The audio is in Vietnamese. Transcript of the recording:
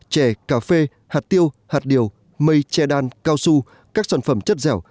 chè cà phê hạt tiêu hạt điều mây che đan cao su các sản phẩm chất dẻo